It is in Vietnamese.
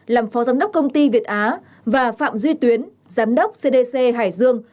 làm phó giám đốc công ty việt á và phạm duy tuyến giám đốc cdc hải dương